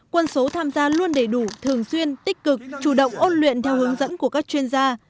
quân số tham gia luôn đầy đủ thường xuyên tích cực chủ động ôn luyện theo hướng dẫn của các chuyên gia